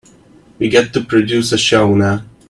We've got to produce a show now.